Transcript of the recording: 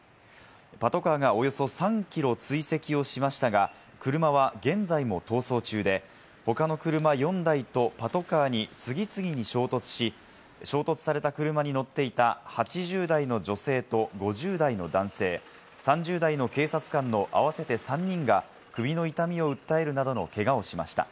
パトカーがおよそ３キロ追跡をしましたが、車は現在も逃走中で、他の車４台とパトカーに次々に衝突し、衝突された車に乗っていた８０代の女性と５０代の男性、３０代の警察官の合わせて３人が首の痛みを訴えるなどのけがをしました。